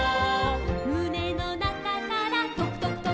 「むねのなかからとくとくとく」